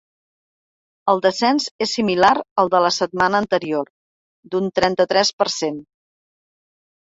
El descens és similar al de la setmana anterior, d’un trenta-tres per cent.